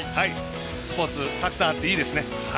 スポーツたくさんあっていいですね。